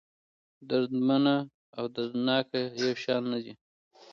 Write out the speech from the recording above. دردمنه او دردناکه يو شان نه دي.